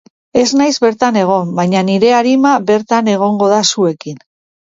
Ezin naiz bertan egon, baina nire arima bertan egongo da zuekin.